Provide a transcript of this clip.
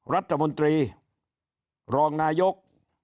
รัฐมนตรีรองนายก